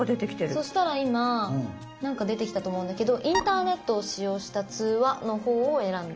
そしたら今何か出てきたと思うんだけど「インターネットを使用した通話」の方を選んで。